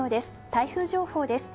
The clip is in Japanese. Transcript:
台風情報です。